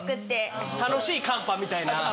楽しいカンパみたいな。